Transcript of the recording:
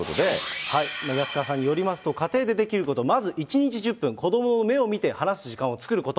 安川さんによりますと、家庭でできること、まず１日１０分、子どもの目を見て話す時間を作ること。